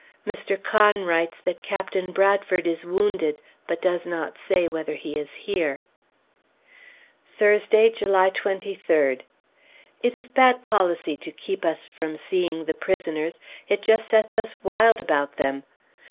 Mr. Conn writes that Captain Bradford is wounded, but does not say whether he is here. Thursday, July 23d. It is bad policy to keep us from seeing the prisoners; it just sets us wild about them.